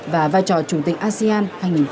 và vai trò chủ tịch asean hai nghìn hai mươi